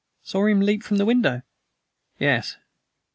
"Saw him leap from the window?" "Yes.